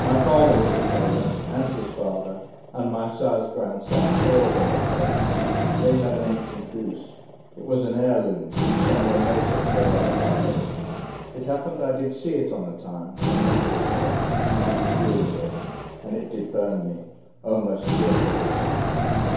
My father was a tailor, and his father, And my sire's grandsire, all of them were tailors; They had an ancient goose, it was an heirloom From some remoter tailor of our race. It happened I did see it on a time When none was near, and I did deal with it, And it did burn me, O, most fearfully!